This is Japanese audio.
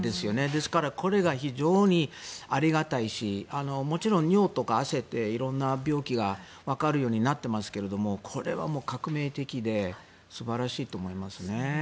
ですから、これは非常にありがたいしもちろん尿とか汗って色んな病気がわかるようになっていますがこれは革命的で素晴らしいと思いますね。